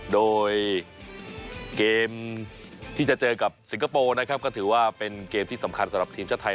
โดยเกมที่จะเจอกับสิงคโปร์นะครับก็ถือว่าเป็นเกมที่สำคัญสำหรับทีมชาติไทย